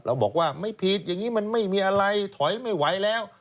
บอกว่าไม่ผิดอย่างนี้มันไม่มีอะไรถอยไม่ไหวแล้ว